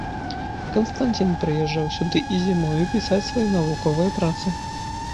Канстанцін прыязджаў сюды і зімою, пісаць свае навуковыя працы.